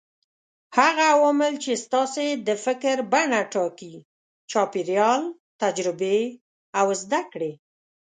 هغه عوامل چې ستاسې د فکر بڼه ټاکي: چاپېريال، تجربې او زده کړې.